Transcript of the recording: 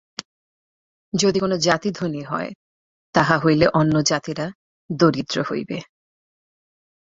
যদি কোন জাতি ধনী হয়, তাহা হইলে অন্য জাতিরা দরিদ্র হইবে।